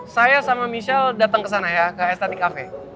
saya sama michelle datang ke sana ya ke estati cafe